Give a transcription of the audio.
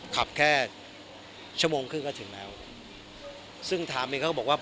ขับแค่ชั่วโมงครึ่งก็ถึงแล้วซึ่งถามเองเขาก็บอกว่า